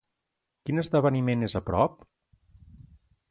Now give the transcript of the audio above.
Quin esdeveniment és a prop?